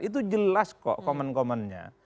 itu jelas kok komen komennya